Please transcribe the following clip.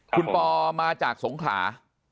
คุณปอมาจากสงขลา